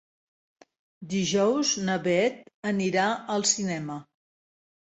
Dijous na Beth anirà al cinema.